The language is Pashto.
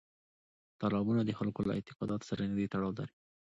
تالابونه د خلکو له اعتقاداتو سره نږدې تړاو لري.